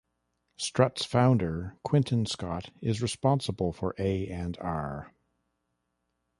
Strut's founder, Quinton Scott, is responsible for A and R.